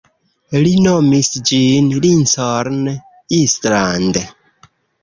Li nomis ĝin Lincoln Island.